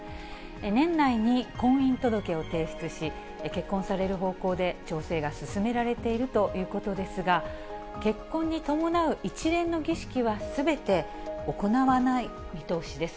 年内に婚姻届を提出し、結婚される方向で調整が進められているということですが、結婚に伴う一連の儀式はすべて行わない見通しです。